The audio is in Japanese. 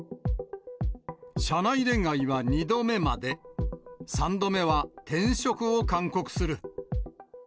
社内恋愛は２度目まで、３度目は転職を勧告する。